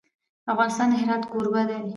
افغانستان د هرات کوربه دی.